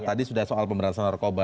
tadi sudah soal pemberantasan narkoba